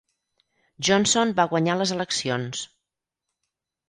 Johnson va guanyar les eleccions.